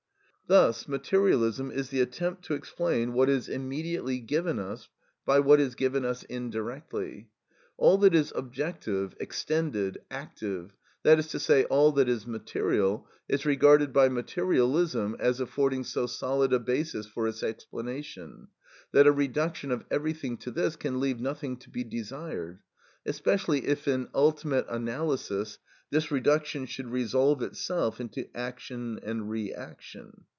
Thus materialism is the attempt to explain what is immediately given us by what is given us indirectly. All that is objective, extended, active—that is to say, all that is material—is regarded by materialism as affording so solid a basis for its explanation, that a reduction of everything to this can leave nothing to be desired (especially if in ultimate analysis this reduction should resolve itself into action and reaction).